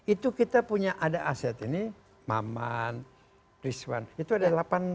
itu kita punya ada aset ini maman rizwan itu ada delapan